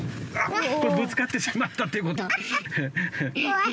ぶつかってしまったっていう事。